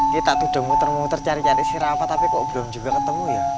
kita sudah muter muter cari cari si rafa tapi kok belum ketemu